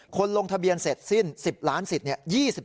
ลงทะเบียนเสร็จสิ้น๑๐ล้านสิทธิ์